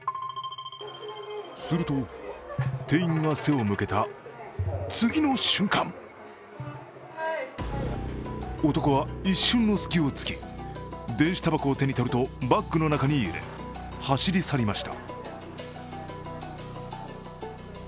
すると店員が背を向けた、次の瞬間男は一瞬の隙を突き電子たばこを手に取るとバッグの中に入れ、走り去りました。